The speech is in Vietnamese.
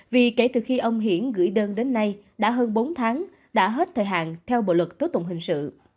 vì kể từ khi ông hiển gửi đơn đến nay đã hơn bốn tháng đã hết thời hạn theo bộ luật tố tụng hình sự